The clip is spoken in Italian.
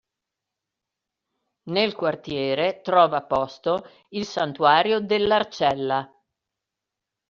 Nel quartiere trova posto il Santuario dell'Arcella.